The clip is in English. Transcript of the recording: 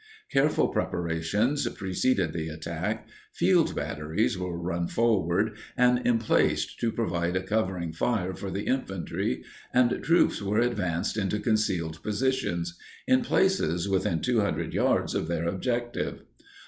Careful preparations preceded the attack: field batteries were run forward and emplaced to provide a covering fire for the infantry, and troops were advanced into concealed positions—in places, within 200 yards of their objective.